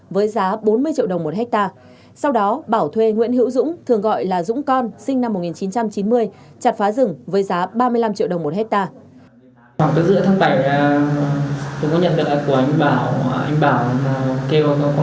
với giá bốn mươi triệu đồng một hectare sau đó bảo thuê nguyễn hữu dũng thường gọi là dũng con sinh năm một nghìn chín trăm chín mươi chặt phá rừng với giá ba mươi năm triệu đồng một hectare